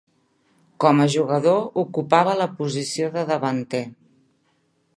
Com a jugador ocupava la posició de davanter.